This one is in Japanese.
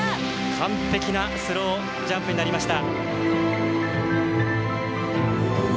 完璧なスロージャンプになりました。